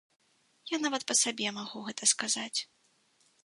Я нават па сабе магу гэта сказаць.